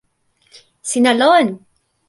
sina lon!